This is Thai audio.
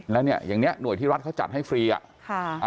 แล้วเนี่ยอย่างเนี้ยหน่วยที่รัฐเขาจัดให้ฟรีอ่ะค่ะ